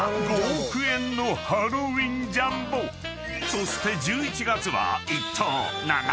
［そして１１月は］